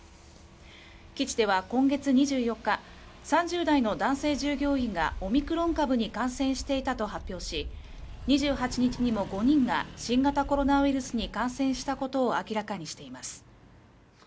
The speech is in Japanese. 基地では今月２４日、３０代の男性従業員がオミクロン株に感染していたと発表し、２８日にも５人が新型コロナウイルスに感染したことを明らかにしています。